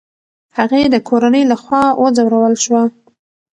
هغې د کورنۍ له خوا وځورول شوه.